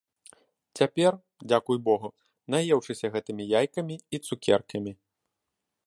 Цяпер, дзякуй богу, наеўшыся гэтымі яйкамі і цукеркамі.